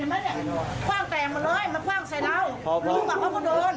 มันคว่างแตกมาเลยมันคว่างใส่เราลุงอ่ะเขาก็โดน